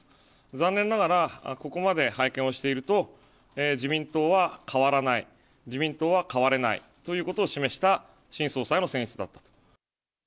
残念ながらここまで拝見をしていると、自民党は変わらない、自民党は変われないということを示した新総裁の選出だったと。